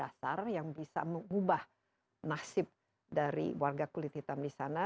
dasar yang bisa mengubah nasib dari warga kulit hitam di sana